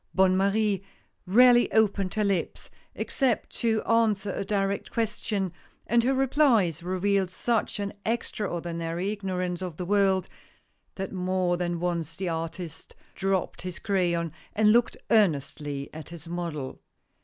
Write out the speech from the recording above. Bonne Marie rarely opened her lips, except to an swer a direct question, and her replies revealed such an extraordinary ignorance of the world, that more than once the artist dropped his crayon, and looked earnestly at his model.